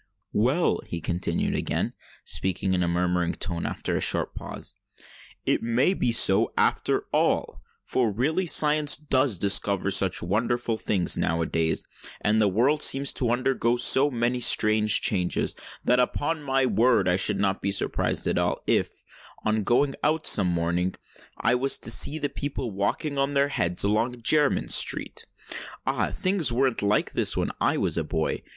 "Well," he continued, again speaking in a murmuring tone, after a short pause, "it may be so, after all! For really science does discover such wonderful things now a days, and the world seems to undergo so many strange changes, that upon my word I should not be at all surprised if, on going out some morning, I was to see the people walking on their heads along Jermyn Street. Ah! things weren't like this when I was a boy!